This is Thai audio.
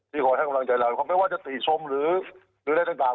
ที่ขอให้กำลังใจเราความไม่ว่าจะติดชมหรือหรืออะไรต่างต่าง